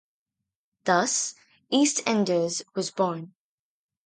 Thus, "EastEnders" was born.